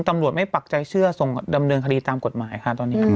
ตำรวจไม่ปักใจเชื่อส่งดำเนินคดีตามกฎหมายค่ะตอนนี้